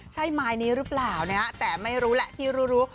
ใช่มายนี้หรือเปล่านะแต่ไม่รู้แหละที่รู้รู้